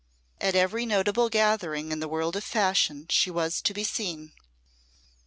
At every notable gathering in the World of Fashion she was to be seen.